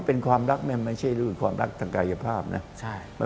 เพราะอันนี้ไม่งั้นคือเป็นความรักของทักกายภาพนะ